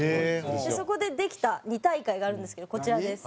そこでできた２大会があるんですけどこちらです。